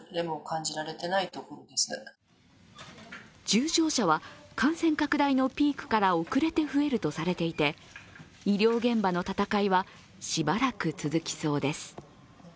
重症者は感染拡大のピークから遅れて増えるとされていて医療現場の戦いはしばらく続きそうです。